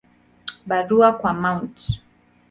Barua kwa Mt.